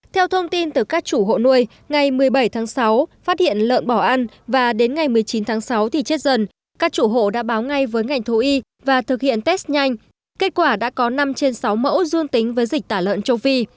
theo thông tin từ các chủ hộ nuôi ngày một mươi bảy tháng sáu phát hiện lợn bỏ ăn và đến ngày một mươi chín tháng sáu thì chết dần các chủ hộ đã báo ngay với ngành thú y và thực hiện test nhanh kết quả đã có năm trên sáu mẫu dương tính với dịch tả lợn châu phi